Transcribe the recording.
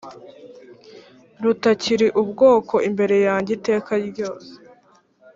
rutakiri ubwoko imbere yanjye iteka ryose